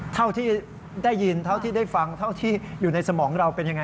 เท่าที่ได้ยินเท่าที่ได้ฟังเท่าที่อยู่ในสมองเราเป็นยังไง